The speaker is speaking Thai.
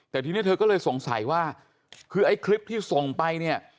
แต่เธอก็สงสัยว่าคือไอ้คลิปที่ส่งไปเนี่ย